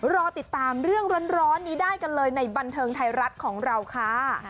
รอติดตามเรื่องร้อนนี้ได้กันเลยในบันเทิงไทยรัฐของเราค่ะ